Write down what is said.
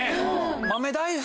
豆大福？